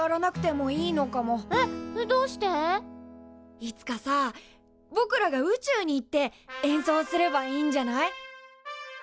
いつかさぼくらが宇宙に行って演奏すればいいんじゃない？